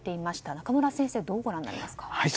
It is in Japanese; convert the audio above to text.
中村先生、どうご覧になりますか。